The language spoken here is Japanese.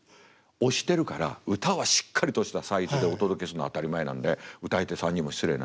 押してるから歌はしっかりとしたサイズでお届けするの当たり前なんで歌い手さんにも失礼なんで。